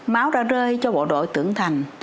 máu ra rơi cho bộ đội tưởng thành